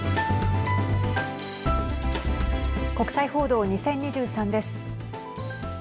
国際報道２０２３です。